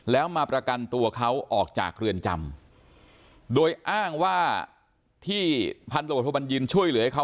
แล้วมาประกันตัวเขาออกจากเรือนจำโดยอ้างว่าที่พันธบทบัญญินช่วยเหลือให้เขา